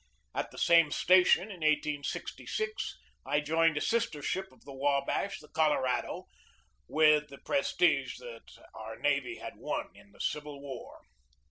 At the same station, in 1866, I joined a sister ship of the Wabash, the Colorado, with the prestige that our navy had won in the Civil War.